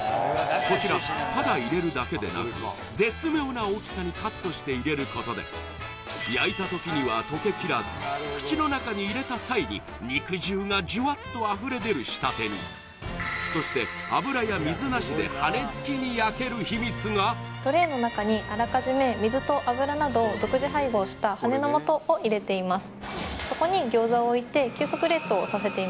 こちらただ入れるだけでなく絶妙な大きさにカットして入れることで焼いた時には溶けきらず口の中に入れた際に肉汁がジュワッとあふれ出る仕立てにそしてトレーの中にあらかじめ水と油などを独自配合した羽根のもとを入れています